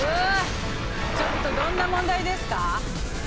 ちょっとどんな問題ですか？